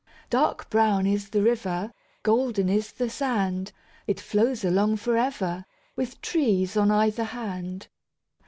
Dark brown is the river, Golden is the sand. It flows along for ever, With trees on either hand.